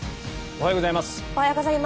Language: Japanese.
おはようございます。